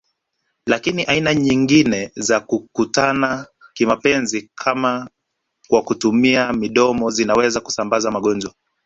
Lakini aina nyingine za kukutana kimapenzi kama kwa kutumia midomo zinaweza kusambaza magonjwa